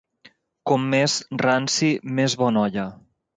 Com més ranci, més bona olla.